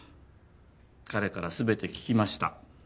彼から全て聞きました。